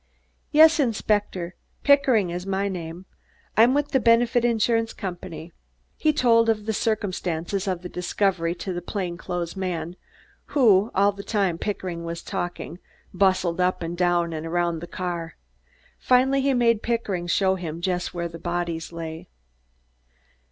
"Yes, Inspector; Pickering is my name. I'm with the Benefit Insurance Company." He told the circumstances of the discovery to the plain clothes man, who, all the time Pickering was talking, bustled up and down and around the car. Finally he made Pickering show him just where the bodies lay.